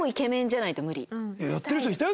やってる人いたよ。